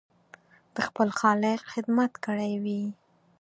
د خپل خالق خدمت کړی وي.